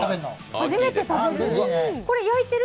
初めて食べる。